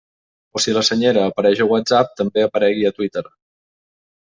O si la Senyera apareix a WhatsApp, també aparegui a Twitter.